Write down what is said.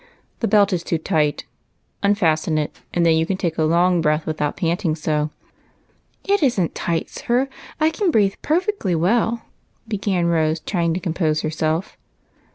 That belt is too tight ; unfasten it, then you can take a long breath without panting so." " It is n't tight, sir ; I can breathe perfectly well," began Rose, trvinsr to compose herself.